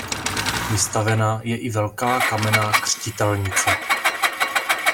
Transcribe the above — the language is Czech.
Vystavena je i velká kamenná křtitelnice.